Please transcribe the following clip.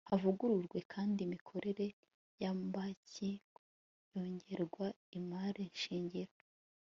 havuguruwe kandi imikorere y'amabanki, yongererwa imari shingiro